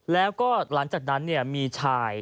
แล้วก็หลังจากนั้นมีชาย